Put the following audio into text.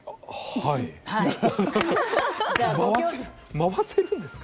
回せるんですか？